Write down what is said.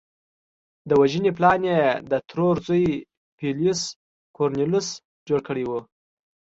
د وژنې پلان یې د ترور زوی پبلیوس کورنلیوس جوړ کړی و